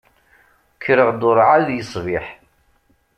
Kkreɣ-d ur εad yeṣbiḥ.